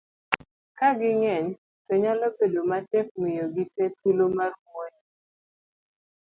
ka ging'eny to nyalo bedo matek miyo gite thuolo mar wuoyo